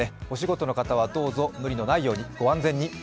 お仕事の方はどうぞ無理のないように、御安全に。